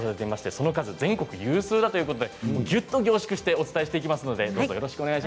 その数、全国有数ということでぎゅっと凝縮してお伝えしていきます。